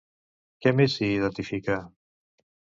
Què més s'hi identifica?